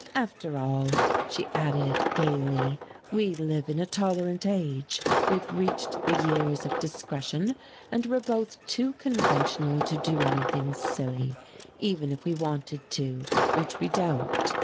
"After all," she added gaily, "we live in a tolerant age, we've reached the years of discretion, and we're both too conventional to do anything silly even if we wanted to which we don't.